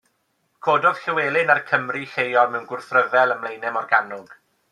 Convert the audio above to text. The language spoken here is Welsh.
Cododd Llywelyn a'r Cymry lleol mewn gwrthryfel ym Mlaenau Morgannwg.